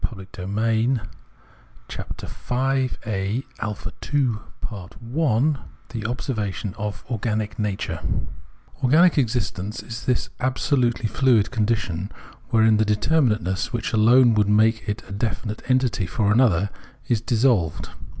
Observation of Organic Nature ■ 247 a (2) Observation of Organic Nature Organic existence is this absolutely fluid condition wherein the determinateness, which alone would make it a definite entity for an other, is dissolved.